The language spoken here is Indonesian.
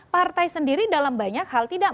partai sendiri dalam banyak hal tidak